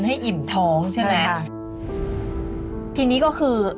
ให้ลูกกินให้อิ่มท้องใช่ไหมครับพี่นี่ก็คือ